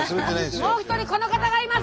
もう一人この方がいます！